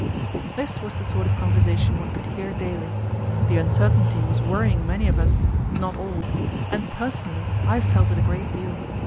This was the sort of conversation one could hear daily. The uncertainty was worrying many of us not all and, personally, I felt it a great deal.